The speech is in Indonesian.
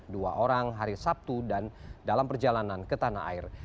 dua orang hari sabtu dan dalam perjalanan ke tanah air